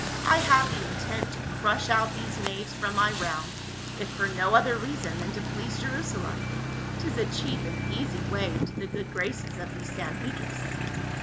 I have the intent to crush out these knaves from my realm, if for no other reason than to please Jerusalem ; 'tis a cheap and easy way into the good graces of these Sanhe drists."